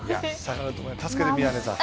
助けて、宮根さん。